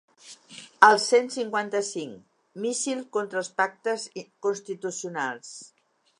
El cent cinquanta-cinc, míssil contra els pactes constitucionals.